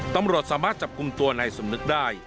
ตำรวจสามารถจับกลุ่มตัวนายสมนึกได้